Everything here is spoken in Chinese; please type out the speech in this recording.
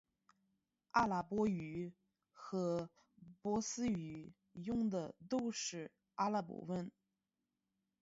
阿拉伯语和波斯语用的都是阿拉伯文。